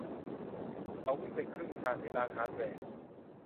เขาวิ่งไปครึ่งทางไปที่ร้านฮาร์ดแวร์